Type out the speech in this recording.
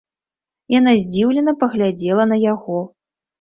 Яна здзіўлена паглядзела на яго.